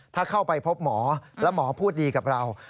ถ้าเข้าไปพบหมอแล้วหมอพูดดีกับเรา